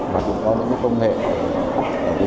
và cũng có những công nghệ ở trình độ đối cao trên thế giới